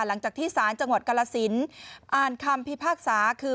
หลังจากที่สารจังหวัดกรสินอ่านคำพิพากษาคือ